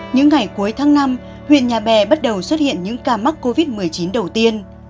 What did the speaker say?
những ngày cuối tháng năm huyện nhà bè bắt đầu xuất hiện những ca mắc covid một mươi chín đầu tiên